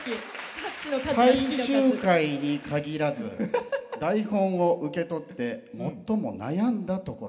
「最終回に限らず台本を受け取って最も悩んだところ」。